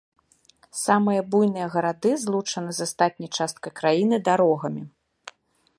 Самыя буйныя гарады злучаны з астатняй часткай краіны дарогамі.